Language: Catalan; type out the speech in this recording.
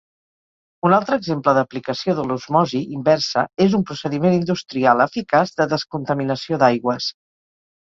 Un altre exemple d'aplicació de l'osmosi inversa és un procediment industrial eficaç de descontaminació d'aigües.